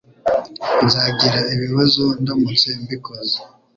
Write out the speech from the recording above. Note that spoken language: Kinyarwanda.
Nzagira ibibazo ndamutse mbikoze